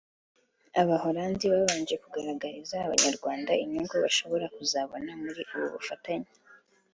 Abaholande babanje kugaragariza Abanyarwanda inyungu bashobora kuzabona muri ubu bufatanye